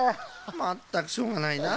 まったくしょうがないなあ。